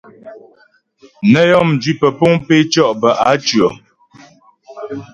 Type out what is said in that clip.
Nə́ yɔ́ mjwi pəpuŋ pé tʉɔ' bə á tʉɔ̀.